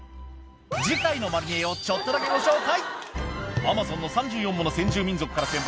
次回のまる見えをちょっとだけご紹介。